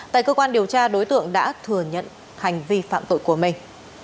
tại cơ quan điều tra đối tượng đã thừa nhận hành vi phạm tội của mình